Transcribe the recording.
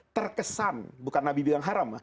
terkesan bukan nabi bilang haram